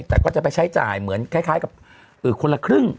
แต่ก็จะไปใช้จ่ายเหมือนคล้ายกับคนละครึ่ง